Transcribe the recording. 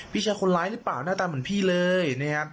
พี่ใช่คนร้ายหรือเปล่าหน้าตาเหมือนพี่เลย